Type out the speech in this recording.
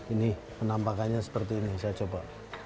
ini penampakannya seperti ini saya coba